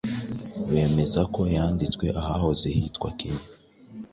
bemeza ko yanditswe ahahoze hitwa kenya